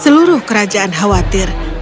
seluruh kerajaan khawatir